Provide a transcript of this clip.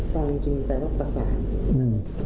ซองจริงแปลว่าประสาน